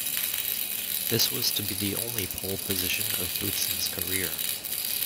This was to be the only pole position of Boutsen's career.